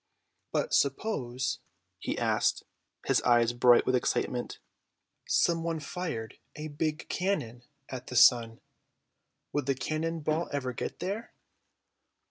"But suppose," he asked, his eyes bright with excitement, "someone fired a big cannon at the sun. Would the cannon ball ever get there?"